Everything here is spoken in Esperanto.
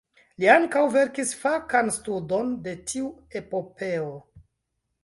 Li ankaŭ verkis fakan studon de tiu epopeo.